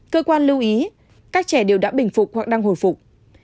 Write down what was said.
cơ quan lưu ý các trẻ đều đã bình phục hoặc đang hồi phục